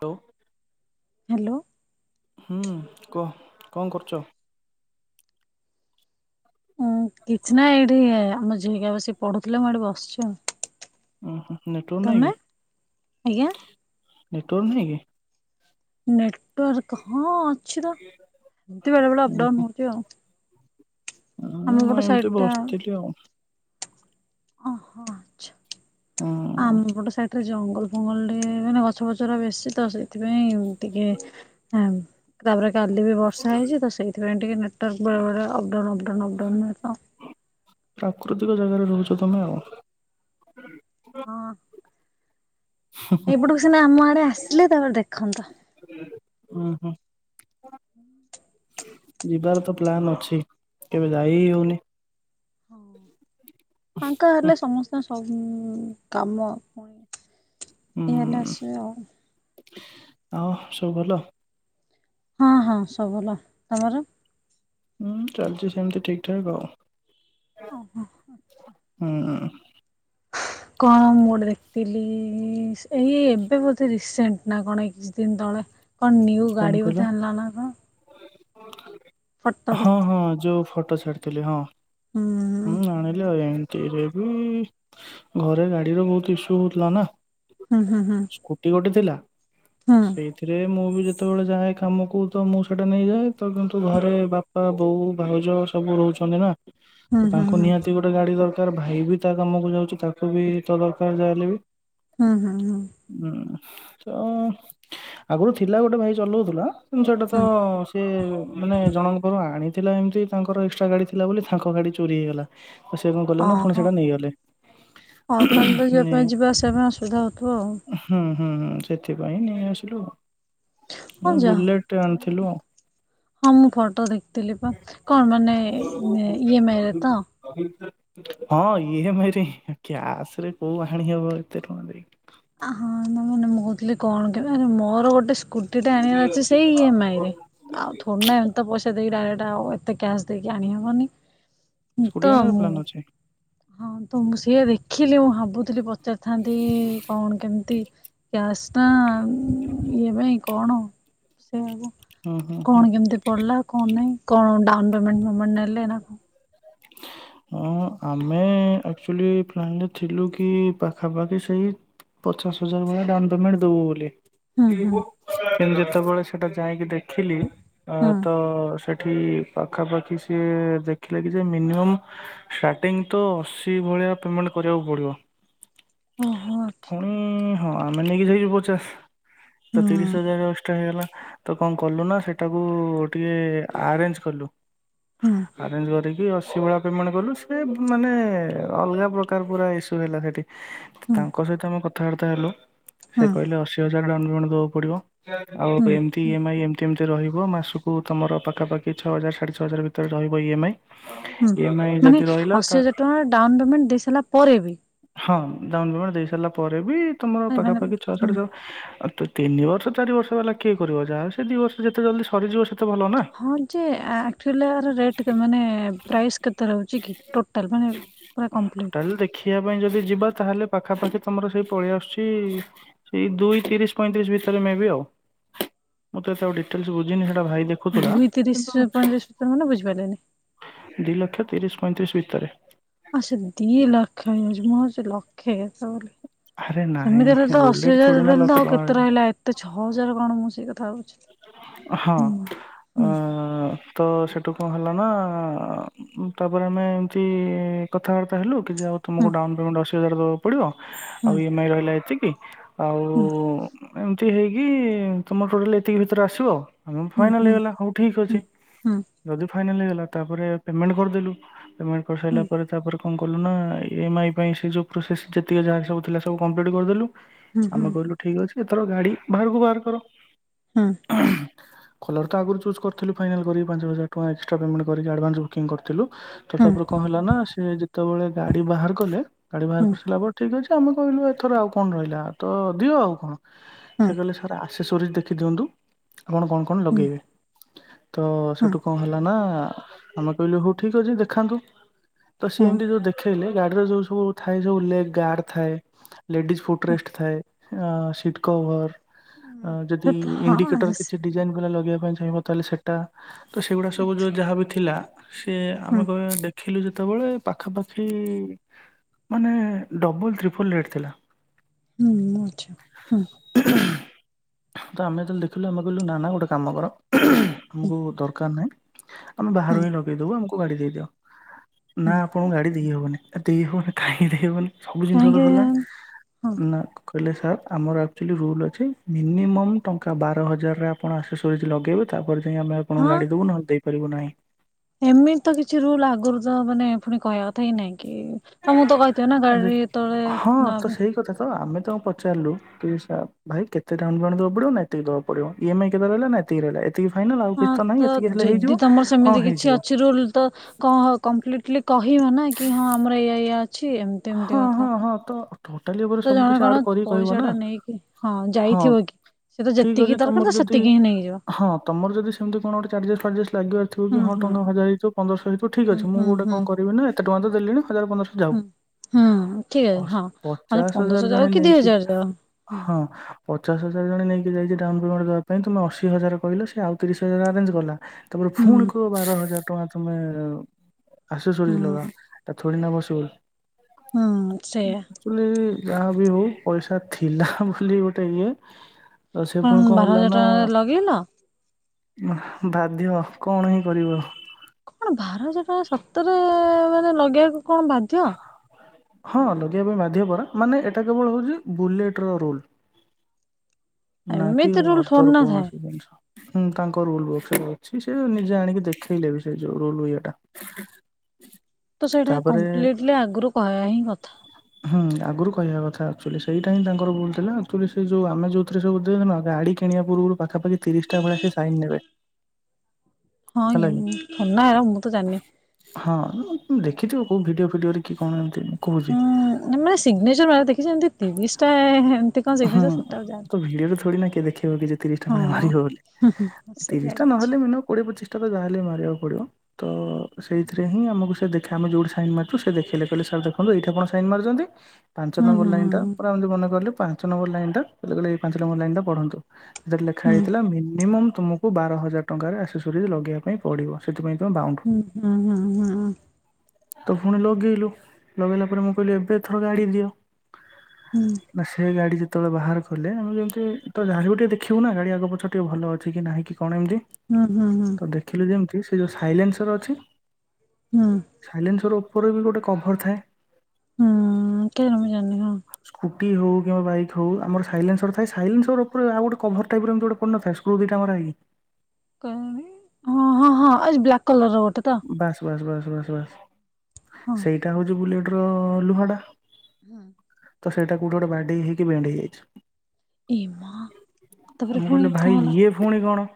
ତ ହ୍ୟାଲୋ ହୁଁ କହ କଣ କରୁଛ- ଉଁ କିଛି ନା ଏଇଠି ଆମ ଝିିକା ବସି ପଢୁଥିଲେ ମୁଁ ଏଠି ବସିଛି। ଓହୋ ତମେ ଆଜ୍ଞା- ନେଟୱର୍କ ନହିଁ କି- ନେଟ ହଁ ଅଛି ତ ଏଧ ବଳେ ବେଳେ ଅପଡାଉନ ହଉଛି ଆଉ ହଁ ଆମ ପଟ ମୁଁ ସାଇଡ ଏମିତି ବସିଥିଲି ଆଉ- ଓ ହୋ ଆଛା ଆମ ପଟ ସେଇଠି- ଜଙ୍ଗଲ ଫଙ୍ଗଲ ଟେ ମାନେ ଗଛ ପଛରା ବେଶୀ ତ ସେଇ- ସେଥିପାଇଁ ଟିକେ- ହଁ ତାପରେ- କାଲି ବି ବର୍ଷା ହେଇଛି ତ ସେଥିପାଇ ଟିକେ ନେଟୱାର୍କ ବେଳେବଳେ ଅପ ଡାଉନ ଲକଡାଉନ ରେ ତ ପ୍ରାକୃତିକ ଜାଗାରେ ରହୁଛ ତମେ ଆଉ ହଁ। ଏଇପଟକୁ ସିନା ଆମ ଆଡ଼େ ଆସିଲେ ତାପରେ ଦେଖନ୍ତ । ହୁଁ ହୁଁ ଯିବାର ତ ପ୍ଲାାନ ଅଛି କେବେ ଯାଇ ହି ହଉନି। ହଁ ଫାଙ୍କା ହୁଁ ହେଲେ ସମସ୍ତେ ଆସିବ ସମ କାମ କ ଇଏ ହେଲେ ଆସିବ ଆଉ। ଆଁ ସବୁ ଭଲ। ହଁ ହଁ ସବୁ ଭଲ ତମର? ଉଁ ଚାଲିଚି ସେମିତି ଠିକ ଠାକ ଆଉ। ଓହୋ। ଉଁ କଣ ମୁଁ ଗୋଟେ ଦେଖଥିଲି। ଏଇ ଏବେ ବୋଧେ ରିସେଣ୍ଟ ନା କଣ କିଛି ଦିନ ତଳେ କଣ ନିୟୁ ଗାଡ଼ି ବୋଧେ ଆଣିଲା ନା କଣ? ହଁ [unintelligible] ଫଟୋ ହଁ ଦେଖିଥିଲି। ହଁ ଯୋଉ ଫଟ ଫଟୋ ଛାଡ଼ିଥିଲି ହଁ। ହୁଁ ହୁଁ ଆଣିଲି ଆଉ ଏଇ ତେରେ ବି ଘରେ ଗାଡ଼ିର ବହୁତ ଇସୁ ହଉଥିଲା ନା। ହୁଁ ହୁଁ ସ୍କୁଟି ଗୋଟେ ଥିଲା ହୁଁ ସେଇଥିରେ ମୁଁ ବି ଯେତେବେଳେ ଯାଏ କାମକୁ ତ ମୁଁ ସେଇଟା ନେଇଯାଏ। ତ କିନ୍ତୁ ଘରେ ବାପା ବୋଉ ଭାଉଜ ସବୁ ରହୁଚନ୍ତି ନା। ହୁଁ ତ ହୁଁ ହୁଁ ତାଙ୍କୁ ହୁଁ ନିହାତି ଗୋଟେ ଗାଡ଼ି ଦର ତାର ଭାଇ ବି ତା କାମକୁ ଯାଉଚି ତାକୁ ବି ତ ଦରକାର ଯାହା ହେଲେ ବି। ହୁଁ ହୁଁ ହୁଁ। ହୁଁ ତ ଆଗରୁ ଥିଲା ଗୋଟେ ବାଇ ଚଲଉଥିଲା ଉଁ ସେଟା ତ ହୁଁ ସିଏ ମାନେ ଜଣଙ୍କ ପାଖରୁ ଆଣି ଥିଲା ଏମିତି ତାଙ୍କର ଏକ୍ସଟ୍ରା ଗାଡ଼ି ଥିଲା ବୋଲି ତାଙ୍କ ଗାଡ଼ି ଚୋରି ହେଇଗଲା। ତ ସେ କଣ କଲେ ନା ପୁଣି ଓହୋ ସେଇଟା ନେଇଗଲେ ଆଉ ତାହେଲେ ତ ଯିବା ନେଇ ପାଇଁ ଯିବା ଆସିବା ପାଇଁ ଅସୁବିଧା ହଉଥିବ ଆଉ। ହୁଁ ହୁଁ ସେଥିପାଇଁ ନେଇ ଆସିଲୁ ଆଉ। ହଁ ବୁଲେଟ ଯାହା ଆଣିଥିଲୁ [inaudible] ହଁ ମୁଁ ଫଟୋ ଦେଖିଥିଲି। ବା କଣ ମାନେ ଇ ଏମ ଆଇରେ ତ? ହଁ ଇ ଏମ ଆଇ ରେ ହିଁ କ୍ୟାସରେ କୋଉ ଆଣି ହବ ଏତେ ଟଙ୍କା ଦେଇକି। ଆ ହଁ ମୁଁ ମାନେ ମୁଁ କହୁଥିଲି କଣ କେବେ ଆରେ ମୋର ଗୋଟେ କୃଟି ଟା ଆଣିବାର ଅଛି ସେଇ ଇ ଏମ ଆଇ ରେ ଆଉ ଥୋଡି ନା ଏମିତ ତ ପଇସା ଦେଇକି ଡାଇରେକ୍ଟ। ଏଟା ଆଉ ଏତେ କ୍ୟାସ ଦେଇକି ଆଣି ହବନି। ସ୍କୁଟି ଆଣିବାର ପ୍ଲାନ୍ ଅଛି। ହଁ ତ ମୁଁ ସେଇଆ ଦେଖିଲି ମୁଁ ଭାବୁଥିଲି। ପ ପଚାରିଥାନ୍ତି କଣ କେମିତି କ୍ୟାସ୍ ନା ଉଁ ଇ ଏମା ଇ? କଣ? ହୁଁ ହୁଁ କଣ ହୁଁ। କେମିତି ପଡିଲା। କଣ ନାଇଁ କଣ ଡାଉନପେମେଣ୍ଟ ଫେମେଣ୍ଟ ନେଲେ ନା କଣ? ହଁ ଆମେ ଆକ୍ଚୁଆଲି ପ୍ଲାନ୍ ରେ ଥିଲୁ କି ପାଖାପାଖି ସେଇ ପଚାଶ ହଜାର ଭଳିଆ ଡାଉନ ପେମେଣ୍ଟ ଦବୁ ବୋଲି। ହୁଁ ହୁଁ କେତେ? ଯେତେବେଳେ ସେଟା ଯାଇକି ଦେଖିଲି। ଆ ହୁଁ ତ [unintelligible] ଏଠି ପାଖାପାଖି ସିଏ ଦେଖିଲେ। କି ସେ ମିନୀୟମ୍ ଷ୍ଟାର୍ଟିଂ ତ ଅସି ଭଳିଆ ପେମେଣ୍ଟ କରିବା କୁ ପଡିବ ଓହୋ ଆଚ୍ଛା ଫୁଣି ହଁ ଆମେ ନେଇକି ଯିବୁ ପଚାଶ ତ ହୁଁ ତିରିଶ ହଜାର ଏଷ୍ଟ୍ରା ହେଇଗଲା। ତ କଣ କଲୁ ନା ସେଟାକୁ ଟିକେ ଆରେଞ୍ଜ କଲୁ ହୁଁ ଆରେଞ୍ଜ କରି। ବି ଅସି ଭଳିଆ ପେମେଣ୍ଟ କଲୁ ସେ ମାନେ ଅଲଗା ପ୍ରକାର ପୁରା ଇସୁ ହେଲା ସେ। ହୁଁ ତାଙ୍କ ସହିତ ଆମ କ କର୍ଥା ବାର୍ତ୍ତା ହେଲୁ। ସେ ହୁଁ କହିଲେ ଅସି ହାଜର ଡାଉନ୍ ପେମେଣ୍ଟ ଦେବାକୁ ପଡିବ। ଆଉ ହୁଁ ଏମତି ହୁଁ। ଇଏମଆଇ ଏମତି ଏମତି ରହିବ। ଯିବ ମାସକୁ ତମର ପାଖାପଖି ଛଅ ହଜାର ସାଢ଼େ ଛ ହଜାର ଭିତରେ ରହିବ ଇଏମ୍ଆଇ। ହୁଁ ମାନେ ଅଶି ହଜାର ଟଙ୍କାର ଡାଉନ ପେମେଣ୍ଟ ଦେଇ ସାରିଲା ପରେ ବି ହଁ ଡାଉନ ପେମେଣ୍ଟ ଦେଇ ସାରିଲା ପରେ ବି ତମର ମାନେ ପାଖାପାଖି ଛଅ ମାନେ ସାଢ଼େ ଛଅ ତିନି ବର୍ଷ ଚାରି ବର୍ଷ ବାଲା କିଏ କରିବ ଯାହା ସେ ଦି ବର୍ଷ ଯେତେ ଜଲଦି ସରିଯିବ। ସେତେ ଭଲ ନା। ହଁ ଯେ ଆକ୍ଚୁଆଲି ଆର ରେଟ କେତେ ନେ ପ୍ରାଇସ୍ କେତେ ରହୁଛି କି ଟୋଟାଲ ମାନେ ପୁରା କମ୍ପଲିଟ ଟୋଟାଲ ଦେଖିବା ଯଦି ଯିବା ତାହେଲେ ପାଖାପାଖି ତମର ସେଇ ପଳେଇଆସୁଛି ସେଇ ଦୁଇ ତିରିଶ ପଇଁତିରିଶ ଭିତରେ ମେବି ଆଉ ମୁଁ ତ ଏତେ ଆଉ ଡିଟେଲ ବୁଝିନି ସେଟା ଭାଇ ଦେଖୁଥିଲା ଦୁଇ କିନ୍ତୁ ତିରିଶ ପଇଁତିରିଶ ଭିତର ମାନେ ବୁଝିପାରିଲନି ଦି ଲକ୍ଷ ତିରିଶ ପଇଁତିରିଶ ଭିତରେ ମ ଭାବୁଚି ଲକ୍ଷେ ଆରେ ନାଇଁ ସେମିତି ହେଲେ ତ ଅଶି ବୁଲେଟ ଥୋଡି ହଜାର ନା ଦେଲେ ତ ଲକ୍ଷେ ଆଉ କେତେ ଟଙ୍କା ରହିଲା ଏତେ ଛଅ ହଜାର କଣ ମୁଁ ସେଇ କଥା କଥାଉଚି ହଁ ଆ ତ ସେଇଠୁ କଣ ହେଲା ନା ତାପରେ ଆମେ ଏମିତି କଥାବାର୍ତ୍ତା ହେଲୁ। ଆଉ ହୁଁ ତମକୁ ଡାଉନ୍ ପେମେଣ୍ଟ୍ ଅସି ହଜାର ଦେବାକୁ ପଡ଼ିବ ଆଉ ଇ ଏମ୍ ଆଇ ରହିଲା ଏତିକ୍ ହଁ ହୁଁ ହେଇକି ତମର ଟୋଟାଲ୍ ଏତିକି [unintelligible] ଆସିବ ଆମ ହୁଁ ଫାଇନାଲ୍ ହୁଁ ହେଇଗଲା ହଉ ଠିକ ଅଛି ହୁଁ ଯଦି ଫାଇନାଲ୍ ହେଇଗଲା ତାପରେ ପେମେଣ୍ଟ୍ କରିଦେଲୁ ପେମେଣ୍ଟ୍ କରିସାରିଲା ପରେ ତାପରେ କଣ କଲୁ ନା ଇ ଏମ୍ ଆଇ ପାଇଁ ସେ ଯେଉଁ ପ୍ରୋସେସ୍ ଯେତିକି ଯାହା ସବୁ ଥିଲା ସବୁ କମ୍ପ୍ଲିଟ୍ କରିଦେଲୁ ହୁଁ ହୁଁ ହୁଁ ହୁଁ ଆମେ ହୁଁ କହିଲୁ ଠିକ ଅଛି ଏଥର ଗାଡ଼ି ବାହାରକୁ ବାହାର କର ହଁ କଲର ତ ଆଗରୁ ଚୁସ୍ କରିଥିଲୁ ଫାଇନାଲ କରିକ ପାଞ୍ଚ ହଜାର ଟଙ୍କା ଏକ୍ସଟ୍ରା ପେମେଣ୍ଟ୍ ଆଡଭାନ୍ସ ବୁକିଂ କରିଥିଲୁ ତ ହୁଁ ତାପରେ କଣ ହେଲା ନା ସେ ଯେ ସେତେବେଳେ ଗାଡ଼ି ବାହାର କଲେ ଗାଡ଼ି ବାହାର ହୁଁ କରିସାରିଲାପରେ ଠିକ୍ଅଛି ଆମେ କହିଲୁ ଏଥର ଆଉ କଣ ରହିଲା ତ ଦିଅ ଆଉ କଣ ହୁଁ ହୁଁ ସେ କଲେ ସାରା ସେ ସୋରି ଦେଖିଦିଅନ୍ତୁ ଆପଣ କଣ କଣ ଲଗେଇବେ ତ ହୁଁ ସେଠୁ କଣ ହେଲା ନା ଆମେ କହିଲୁ ହଉ ଠିକ ଅଛି ଦେଖାନ୍ତୁ ତ ସିଏ ଏମିତି ହୁଁ ଯୋଉ ଦେଖେଇଲେ ଗାଡ଼ି ର ଯୋଉ ସବୁ ଥାଏ ସବୁ ଲେଗ୍ ଗାର୍ଡ଼ ଥାଏ। ଲେଡ଼ିଜ୍ ଫୁଟ୍ ରେଷ୍ଟ ଥାଏ। On seat cover. ଅ ଯଦି ଇନଡ଼ି ସେଟାରେ କିଛି ଡିଜାଇନ୍ ଗଲା ଲଗେଇବା ଚାହିଁବ ତାହେଲେ ସେଇଟା। ତ ସେଉଗୁଡ଼ା ସବୁ ଯଉଁ ଯାହାବି ଥିଲା ସେ ଆମେ କହ ଦେଖିଲୁ ଯଦି- ସେତେବେଳେ ପାଖାପାଖି ମାନେ ଡବଲ ତ୍ରିଫଲ ରେଟ ଥିଲା। ହୁଁ ଆଛା ହୁଁ ତ ଆମେ ଯେତେବେଳେ ଦେ ହେଲେ ଆମେ କହିଲୁ ନା ନା ଗୋଟେ କର ଆମକୁ ଦରକାର ନାହିଁ ଆମେ ବାହାରୁ ଆଣି ଲଗେଇଦବୁ ଆମକୁ କୁଆଡେ ଯାଇଚ? ନା ଆପଣଙ୍କୁ ଗାଡି ଦେଇ ହବନି। ଆ ଦେଇହବନି କାହିଁକି ଦେଇହବନି? ସବୁ ଜିନିଷ ତ କାହିଁକି ସରିଲାଣି ହଁ ନା ହେଲେ ସାର ଆମର ଆକଚୁଆଲି ରୁଲ ଅଛି ମିନିମମ ଟଙ୍କା ବା ର ହଜାରରେ ଆପଣ ଆଶୋଶୋଇଜ୍ ଲଗେଇବେ ତାପରେ ଯା ଆମେ ହଁ ଆପଣଙ୍କୁ ଗାଡି ଦବୁ ନହେଲେ ଦେଇ କରିବୁ ନାହିଁ ଏମିତି ତ କିଛି ରୁଲ ଆଗରୁ ତ ମାନେ ପୁଣି କହିବା କଥା କି ନାଇଁ କି ତମୁକୁ ତ କହିଥିବେ ନା ଆରେ ଗାଡି ତଳେ ହଁ ନବା ତ ପାଇଁ। ସେଇ କଥା ଆମେ ତ ପଚାରିଲୁ କି ସା ଭାଇ କେତେ ଡାଉନ୍ ପେମେଣ୍ଟ ଦବାକୁ ଦବାକୁ ପଡ଼ିବ ନା ଏତିକି ଦବାକୁ ପଡିବ ଇଏମଆଇ କେତେ ରହିଲା ନା ଏତିକି ରହିଲା। ଏତିକି ଫାଇନାଲ ଆଉ ହଁ କିଛି ନାହିଁ ତ ଏତିକି ହେଲେ ହେଇଯିବ। ଯେଦି ତମର ହଁ ସେମିତି କିଛି ହେଇଯିବ ଅଛି ରୁଲ ତ କ କମ୍ପିଳିଟଲି କହି ନା କି ହଁ ଆମର ଏଇଆ ଏଇଆ ଅଛି ଏମିତି ଏମିତି ହଁ କଥା ହଁ ହଁ ତ ଟୋଟାଲି ଉପରେ ତ ସବୁ ଜଣେ କିଛି କଣ ଆଡ଼ କରିକି କହିବ ପଇସା ନା, ଟା ନେଇକି ହଁ ଯାଇଥିବ କି ସେ ତ ଠିକ ଯେତିକି ଅଛି ଦରକାର ତୁମର ତ ଯଦି ସେତିକି ହିଁ ନେଇଯିବ ହଁ ତମର ଯଦି ସେମିତି କଣ ଗୋଟେ ଚାର୍ଜେସ୍ ଫାର୍ଜେସ୍ ଲାଗିବାର ଥିବ କି ହୁଁ ହଁ ହୁଁ ଟଙ୍କା ହଜାର ହେଇଥିବ ପନ୍ଦରଶହ ହେଇଥିବ ଠିକ୍ ହୁଁ ଅଛି ମୁଁ ହୁଁ ଗୋଟେ ହୁଁ କଣ କରିବି ନା ଏତେ ଟଙ୍କା ତ ଦେଲିଣି ହଜାରେ ପନ୍ଦରଶ ଯାଉ ହୁଁ ହୁଁ ଠିକ ଅ ଅଛି ହଁ ହଁ ପଚାଶ ହଜାର ପନ୍ଦରଶହ ଯାଉ ଜଣେ କି ଦି ନେଇକି ହଜାର ଯାଉ। ହୁଁ ହଁ ପଚାଶ ହଜାର ଜଣେ ନେଇକି ଯାଇଚି ଡାଉନ ପେମେଣ୍ଟ ଦବା ପାଇଁ ତମେ ଅଶୀ ହଜାର କହିଲେ ସେ ଆଉ ତିରିଶ ହଜାର ଆରେଞ୍ଜ କଲା ତାପରେ ଫୁଣି ହୁଁ କହିବ ବାର ହଜାର କଣ ତୁମେ ଆସୋସୋରିଜ ହୁଁ ଲଗାଅ ଥୋଡ଼ି ନା ପଶିବଲ୍ ହୁଁ ସେଇଆ ଆକଚ୍ୟୁଲି ଯାହା ବି ହଉ ପଇସା ଥିଲା ବୋଲି ଗୋଟେ ଇଏ ଆଉ ସେ ପୁଣି କଣ ହେଲା ନା ବାହାଘର ଲଗେଇଲ ବାଧ୍ୟ କଣ ହିଁ କରିବ କଣ ବାର ହଜାର ଟଙ୍କା ସତରେ ମାନେ ଲଗେଇବାକୁ କଣ ବାଧ୍ୟ ହଁ ଲଗେଇବା ପାଇଁ ବାଧ୍ୟ ପରା ମାନେ ଏଇଟା କେବଳ ହଉଚି ବୁଲେଟ ର ରୁଲ। ନା କିି ଏମିତି ରୁଲ ଥୋଡି ଅଦର ନା ଥାଏ। କୌଣସି ଜିନିଷ। ହୁଁ ତାଙ୍କ ରୁଲ [unintelligible] ଅଛି। ସେ ନିଜେ ଆଣିକି ଦେଖେଇଲେ ବି ସେ ଯୋଉ ରୁଲ ଇଏଟା। ତ ସେଇଟା ତାପରେ କମ୍ପ୍ଲିଟଲି ଆଗରୁ କହିବା ହିଁ କ ହୁଁ ଆଗରୁ କହିବା କଥା ଆକ୍ଚ୍ୟୁଲି ସେଇଟା ହିଁ ତାଙ୍କର ଭୁଲ ଥିଲା। ଆକ୍ଚ୍ୟୁଲି ସେ ଯୋଉ ଆମେ ଯୋଉଥିରେ ସବ ଦେଖିନ ଗାଡି କିଣିବା ପୂର୍ବରୁ ପାଖାପାଖି ତିରିଶଟା ଭଳିଆ ସେ ସାଇନ ନେବେ ହଁ ହେଲା କି ଥୋଡି ନା ହେରା ମୁଁ ତ ଜାଣିନି। ହଁ ଦେଖିଥିବ କୋଉ ଭିଡିଓ ଫିଡିଓରେ କି କଣ ତେ କୋହୁଚି ଉଁ ମାନେ ସିଗ୍ନେଚର ମାରିବା ଦେଖିଚି। ଏମିତି ତିରିଶଟା ଏ ହେ ହଁ ତ ଭିଡିରେ ଥୋଡି ନା କିଏ ଦେଖ କି [unintelligible] ତିରିଶଟା ହଁ ଭଳିଆ ମାରିବ ବୋଲି ହୁଁ ହୁଁ ତିରିଶ ସେଇଆ ଟା କରିଛି ନହେଲେ ମିନିଅମ୍ କୋଡିଏ ପଚିଶ ତା ଯା ହାେଲେ ମାରିବାକୁ ପଡିବ। ତ ସେଇଥିରେ ହିଁ ଆମକୁ ସେ ଦେଖ ଖା ଆମେ ଯୋଉଠି ସାଇନ୍ ମାରିଚୁ। ସେ ଦେଖେଇଲେ କହିଲେ ସାର୍ ଦେଖନ୍ତୁ ଏଇଠା ଆପଣ ସାଇନ୍ ମାରୁଚନ୍ତି ପାଞ୍ଚ ହୁଁ ନମ୍ବର ହୁଁ ଲାଇନ୍ ଟା ପରା ଏମିତି ମନେ କଲୁ ପାଞ୍ଚ ନମ୍ବର ଲାଇନଟା ମତେ କହିଲେ ଏଇ ପାଞ୍ଚ ନମ୍ବର ଲାଇନ୍ ଟା ପଢନ୍ତୁ। ସେତେ ଲେଖା ହୁଁ ହେଇଥିଲା ମିନିମମ୍ ତମକୁ ବାର ହଜାର ଟଙ୍କାରେ ଆସେଶୋରିଜ୍ ଲଗେଇବା ପାଇଁ ପଡିବ। ସେଥିପାଇଁ ତୁମେ ବାଉଣ୍ଡ। ହୁଁ ହୁଁ ହୁଁ ହୁଁ ତ ପୁଣି ଲଗେଇଲୁ ଲଗେଇଲା ପରେ ମୁଁ କଇଲି ଏବେ ଏଥର ଗାଡି ଦିଅ। ହୁଁ ନା ସେ ଗାଡି ଯେତେବେଳେ ବାହାର କଲେ ଆମେ ଯେମିତି ତ ଯାହାବି ହେଲେ ଟିକେ ଦେଖିବୁ ନା ଗାଡି ଆଗ ପଛ ଟିକେ ଭଲ ଅଛି କି ନାହିଁ କି କଣ ଏମିତି ହୁଁ ହୁଁ ହୁଁ ତ ଦେଖିଲୁ ଯେମିତି ସେ ଯୋଉ ସାଇଲେନ୍ସର ଅଛି ହୁଁ ସାଇଲେନ୍ସର ଉପରେ ବି ଗୋଟେ କଭର ଥାଏ ହୁଁ କେଜାଣି ମୁଁ ଜାନି ହଁ। ଟି ହୁ କିମ୍ୱା ବାଇକ୍ ହଉ ଆମର ସାଇଲେନ୍ସର ଥାଏ। ସାଇଲେନ୍ସର ଉପରେ ଆଉ ଗୋଟେ କଭର ଟାଇପର ଏମତି ଗୋଟେ ପଡିନଥାଏ ସ୍କ୍ରୃ ଦିଟା ମରା ହେଇକି। କହଣି ହଁ ହଁ ହଁ ଆଜ୍ ବ୍ଲାକ କଲର ଗୋ ବାସ୍ ବାସ୍ ବାସ୍ ଉଁ ହୁଁ ହଁ। ସେଇଟା ହଉଛି ବୁଲେଟ୍। ର ଲୁହା ଟା ହଁ। ତ ସେଇଟା କୋଉଠି ଗୋଟେ ବାଡ଼େଇ ହେଇକି ବେଣ୍ଡ ଏ ମା ହେଇଯାଇଛି। ତାପରେ ଆ ମୁଁ ପୁଣି କହିଲି କଣ ଭାଇ ହେଲା ଇଏ ଫୁଣି କଣ?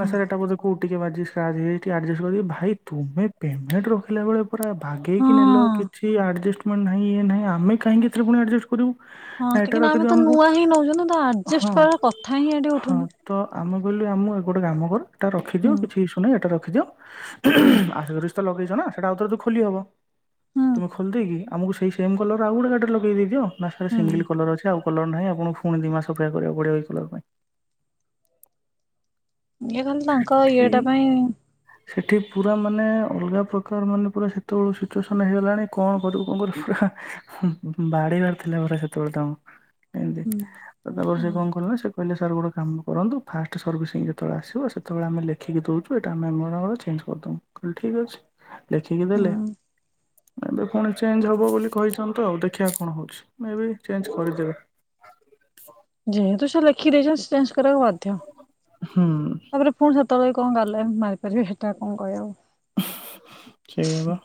ନା ହଁ ସାର୍ ଏଇଟା ବୋଧେ କୋଉଠି ଟିକେ ବାଜି ସ୍କାର୍ଚ ହେଇଯାଇଛି ଟିକେ ଏଡଜଷ୍ଟ କରି ଭାଇ ତୁମେ ପେମେଣ୍ଟ୍ ରଖିଲା ବେଳେ ପୁରା ବାଗେଇକି ନେଲ ହଁ। କିଛି ଆଡଜଷ୍ଟ [unintelligible] ନାହିଁ ଇଏ ନାହିଁ ଆମେ କାହିଁକ ଏଥିରେ ପୁଣି ଆଡ଼ଜଷ୍ଟ କରିବୁ। ହଁ ନା ଏଟା କାନ୍ତୁ ଆମେ ରଖିଦିଅ ତ ଆମକୁ ନୂଆ ହିଁ ନଉଛୁ ତ ଆଡଜଷ୍ଟ ହଁ। କରିଆର କଥା ହିଁ ଏଠି ହଁ ଉଠୁନି। ତ ଆମେ କହିଲୁ ଆମକୁ ଗୋଟେ କାମ କର ଏଇଟା ରଖିିଦିଅ ହୁଁ କିଛି ଇସୁ ନାହିଁ ଏଟା ରଖ୍ ରଖିଦିଅ। ହୁଁ ଆରେ ଆରେ ସେଇଟା ଲଗେଇଚ ନା ସେଇଟା ଆଉ ଥରେ ତ ଖୋଲିହେବ। ହୁଁ ତୁମେ ଖୋଲି ଦେଇକି ଆମକୁ ସେଇ ସେମ୍ କଲର୍ ଆଉ ଗୋଟେ ଗାଡ଼ିରେ ଲଗେଇକି ଦେଇଦିଅ । ନା ସେଇଟା ହୁଁ ସିଙ୍ଗଲ କଲର୍ ଅଛି ଆଉ କଲର୍ ନାହିଁ ଆପଣଙ୍କୁ ଫୁଣି ଦି ମାସ ଅପେକ୍ଷା କରିବାକୁ ପଡ଼ିବ ଏଇ କଲର୍ ପାଇଁ । ଇଏ ଖାଲି ତାଙ୍କ ଇଏ ଟା ପାଇଁ ସେଠି ପୁରା ମାନେ ଅଲଗା ପ୍ରକାର ମାନେ ପୁରା ସେତେବେଳେ ସିଚୁଏସନ ହେଇଗଲାଣି କଣ କରିବୁ କଣ କରିବୁ ପୁରା ବାଡ଼େଇବାର ଥିଲା ପୁରା ସେତେବେଳେ ତାଙ୍କୁ । ଏମତି ହୁଁ। ତ ତାପରେ ସେ କଣ କଲେ ନା ସେ କହିଲେ ସାର୍ ଗୋଟେ କାମ କରନ୍ତୁ ଫାଷ୍ଟ ସର୍ଭିସିଂ ଯେତେବେଳେ ଆସିବ ଯେତେବେଳେ ଆମେ ଲେଖିକି ଦଉଛୁ ଏଟା ଆମର ଚେଞ୍ଜ କରିଦବୁ କହିଲି ଠିକ୍ ଅଛି ଲେଖିକି ହୁଁ ଦେଲେ ଏବେ ପୁଣି ଚେଞ୍ଜ ହବ ବୋଲି କହିଛନ୍ତି ତ ଆଉ ଦେଖିବା କଣ ହେଉଛି ମେଁ ବି ଚେଞ୍ଜ କରିଦେବେ। ଯେହେତୁ ସେ ଲେଖିକି ଦେଇଛନ୍ତି ସେ ଚେଞ୍ଜ କରିବାକୁ ବାଧ୍ୟ ହୁଁ ତାପରେ ପୁଣି ସେତେବେଳେ କଣ ଗାଲୁଆମି ମାରି ପାରିବେ ସେଇଟା କଣ କହିହବ। ସେୟା ବା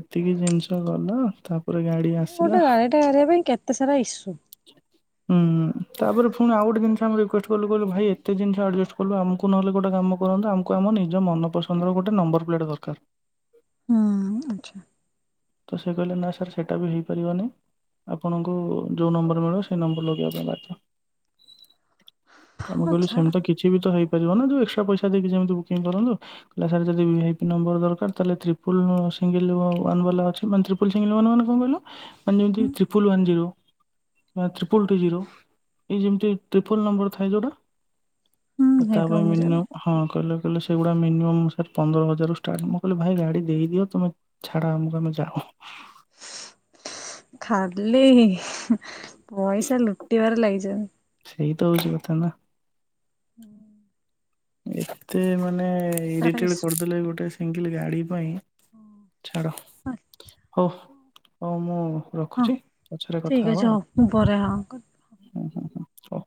ଏତିକି ଜିନିଷ ଗଲା ତାପରେ ଗାଡି ମାନେ ଆସିଲା। ଗୋଟେ ଗାଡ଼ିଟା କରିବା ପାଇଁ କେତେ ସାରା ଇସୁ ହୁଁ ହୁଁ ତାପରେ ଫୁଣି ଆଉ ଗୋଟେ ଜିନିଷ ଆମେ ରିକୁଏଷ୍ଟ କଲୁ କହିଲୁ ଭାଇ ଏତେ ଜିନିଷ ଆଡଜଷ୍ଟ କଲୁ ଆମକୁ ନହେଲେ ଗୋଟେ କାମ କରନ୍ତୁ ଆମକୁ ଆମ ନିଜ ମନ ପସନ୍ଦର ଗୋଟେ ନମ୍ବର ପ୍ଲେଟ୍ ଦରକାର। ହୁଁ ଆଚ୍ଛା। ତ ସେ କହିଲେ ନା ସାର୍ ସେଇଟା ବି ହେଇପାରିବନି, ଆପଣଙ୍କୁ ଯେଉଁ ନମ୍ବର ମିଳିବ ସେ ନମ୍ବର ଲଗେଇବା ପାଇଁ ବାଧ୍ୟ- କାମ ହଁ କହିଲି ଛାଡ ସେମିତ କିଛି ବି ତ ହେଇ ନା ଯଉ ଏକ୍ସଟ୍ରା ପଇସା ଦେଇ କି ଯେମିତି ବୁକିଂ କରନ୍ତୁ। କଲା ସାର ଯଦି [unintelligible] ନମ୍ବର ଦରକାର ତାଲେ ତ୍ରିପୁଲ ଉଁ ସିଂଗଲେ ୱାନ ଵାଲା ତ୍ରିପୁଲ ସିଂଗଲେ ମାନେ କଣ କହିଲ। ମାନେ ଯେମିତି ହୁଁ ତ୍ରିପୁଲ ୱାନଜିରୋ, ତ୍ରିପୁଲଟୁଜିରୋ, ଏ ଯେମିତି ତ୍ରିପୁଲ ନମ୍ବର ଥାଏ ଜଉଟା। ହୁଁ ତା ହେଇଥିବ ପାଇଁ ମୁଁ ମିନିମମ୍ ଜାଣିନି ହଁ କହିଲେ କହିଲେ ସେଗୁଡା ମିନିମମ ପନ୍ଦର ହଜାରରୁ ଷ୍ଟାର୍ଟ ମୁଁ କହିଲି ଭାଇ ଗାଡି ଦେଇଦିଅ ତମେ ଛାଡ ଆମକୁ ଆମେ ଟା ଉହଁ ଖାଲି ପଇସା ଲୁଟିବାରେ ଲାଗିଚନ୍ତି। ସେଇତ ହଉଛି କଥା ନା? ହୁଁ ଏତେ ମ ମାନେ ପଇସାର ଇରିଟେଡ୍ ଇସୁ କରିଦେଲେ ଗୋଟେ ସିଙ୍ଗିଲ ଗାଡ଼ି ପାଇଁ ଛାଡ଼ ହଁ ହଉ ହୋଉ ମୁଁ ହଁ ରଖୁଛି ପଛରେ କଥା ଠିକ ହବା ଅଛି ଆଉ ହଉ ମୁ ପରେ ହ- ହୁଁ, ହଉ।